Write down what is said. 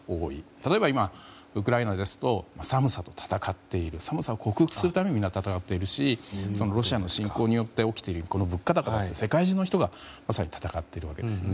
例えば、ウクライナですと寒さと闘っている寒さを克服するためにみんな闘っているしロシアの侵攻によって起きている物価高に世界中の人がまさに闘っているわけですよね。